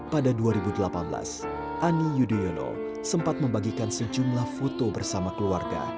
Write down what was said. pada dua ribu delapan belas ani yudhoyono sempat membagikan sejumlah foto bersama keluarga